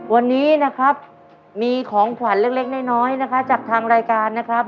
วันนี้นะครับมีของขวัญเล็กน้อยนะคะจากทางรายการนะครับ